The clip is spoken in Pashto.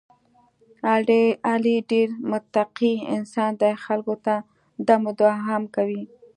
علي ډېر متقی انسان دی، خلکو ته دم دعا هم کوي.